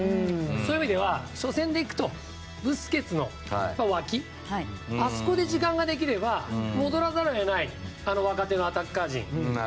そういう意味では初戦で行くとブスケツの脇あそこで時間ができれば戻らざるを得ない若手のアタッカー陣が。